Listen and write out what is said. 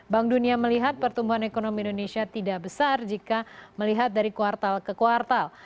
bank dunia melihat pertumbuhan ekonomi indonesia tidak besar jika melihat dari kuartal ke kuartal